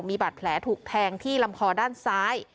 มีบาดแผลถูกแทงที่ลำคอด้านซ้าย